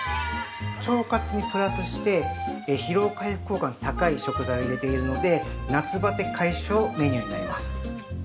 腸活にプラスして疲労回復効果の高い食材を入れているので、夏バテ解消メニューになります。